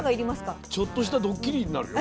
ちょっとしたドッキリになるよ。